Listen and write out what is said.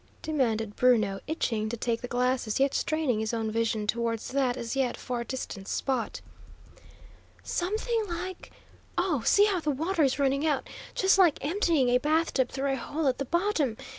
demanded Bruno, itching to take the glasses, yet straining his own vision towards that as yet far distant spot. "Something like oh, see how the water is running out, just like emptying a bathtub through a hole at the bottom!